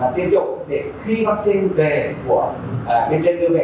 và tên chủ khi bác sư về bên trên đường về